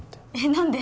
何で？